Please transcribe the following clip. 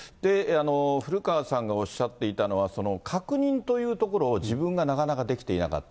古川さんのおっしゃっていたのは、確認というところを自分がなかなかできていなかった。